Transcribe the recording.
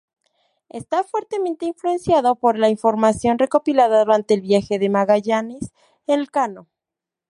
Está fuertemente influenciado por la información recopilada durante el viaje de Magallanes-Elcano.